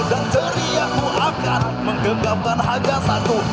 dan ceriaku akan menggegapkan haja satu